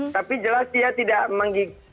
tapi jelas dia tidak menggigit